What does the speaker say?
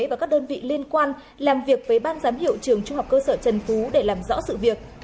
và các đơn vị liên quan làm việc với ban giám hiệu trường trung học cơ sở trần phú để làm rõ sự việc